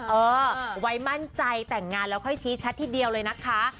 เออไว้มั่นใจแต่งงานแล้วค่อยชี้ชัดทีเดียวเลยนะคะ